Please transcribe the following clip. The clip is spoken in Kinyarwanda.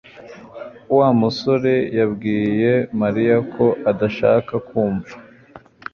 Wa musore yabwiye Mariya ko adashaka kumva